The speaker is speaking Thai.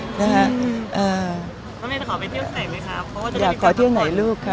น้องแม่จะขอไปเที่ยวใส่ไหมคะ